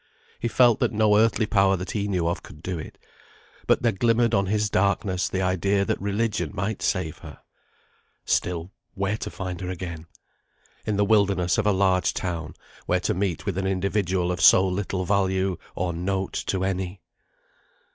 He felt that no earthly power that he knew of could do it, but there glimmered on his darkness the idea that religion might save her. Still, where to find her again? In the wilderness of a large town, where to meet with an individual of so little value or note to any?